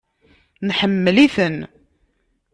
Neḥemmel-iten.